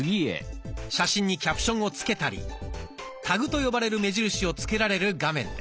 写真にキャプションをつけたりタグと呼ばれる目印をつけられる画面です。